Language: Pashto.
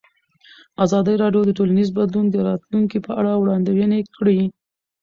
ازادي راډیو د ټولنیز بدلون د راتلونکې په اړه وړاندوینې کړې.